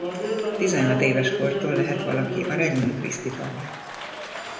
Tizenhat éves kortól lehet valaki a Regnum Christi tagja.